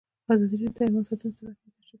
ازادي راډیو د حیوان ساتنه ستر اهميت تشریح کړی.